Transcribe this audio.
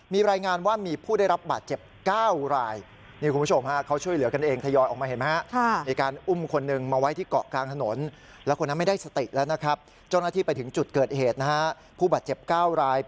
มีรายงานว่ามีผู้ได้รับบาดเจ็บ๙รายนี่คุณผู้ชมฮะ